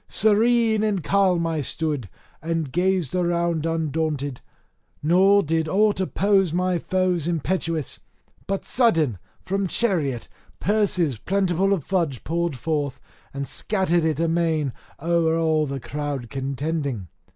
Serene and calm I stood, and gazed around undaunted; nor did aught oppose against my foes impetuous. But sudden from chariot purses plentiful of fudge poured forth, and scattered it amain o'er all the crowd contending.